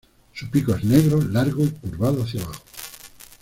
Su pico es negro, largo y curvado hacia abajo.